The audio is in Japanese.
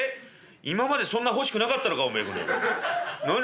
「今までそんな欲しくなかったのかおめえこの野郎」。